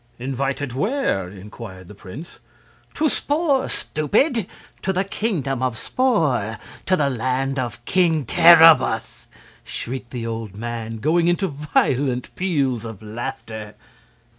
"Invited where?" inquired the prince. "To Spor, stupid! To the Kingdom of Spor! To the land of King Terribus!" shrieked the old man, going into violent peals of laughter.